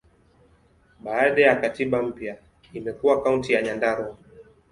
Baada ya katiba mpya, imekuwa Kaunti ya Nyandarua.